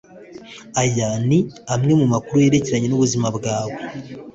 aya ni amwe mu makuru yerekeranye n’ubuzima bwe